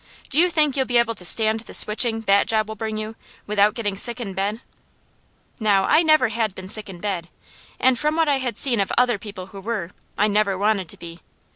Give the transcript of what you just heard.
"Do you think you'll be able to stand the switching that job will bring you, without getting sick in bed?" Now I never had been sick in bed, and from what I had seen of other people who were, I never wanted to be.